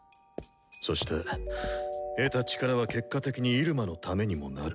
そして得た力は結果的にイルマのためにもなる。